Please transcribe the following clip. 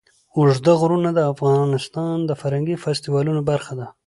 اوږده غرونه د افغانستان د فرهنګي فستیوالونو برخه ده.